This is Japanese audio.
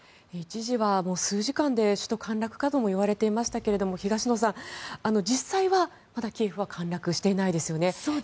一時は数時間で首都陥落かともいわれていましたけども東野さん、実際はまだキエフは陥落していないですよね。